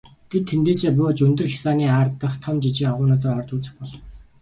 Тэд тэндээсээ бууж өндөр хясааны ар дахь том жижиг агуйнуудаар орж үзэх болов.